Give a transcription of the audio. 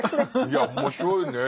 いや面白いね。